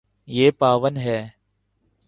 یے پاون ہے